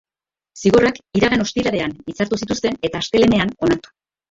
Zigorrak iragan ostiralean hitzartu zituzten, eta astelehenean onartu.